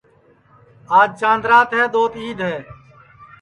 آج چند رات ہے دؔوت عید ہے